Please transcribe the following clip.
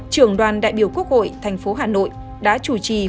trưởng đoàn đại biểu quốc hội tp hà nội